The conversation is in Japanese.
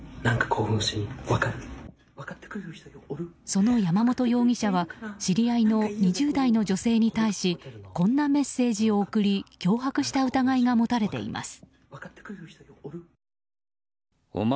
その山本容疑者は知り合いの２０代の女性に対しこんなメッセージを送り脅迫した疑いが持たれています。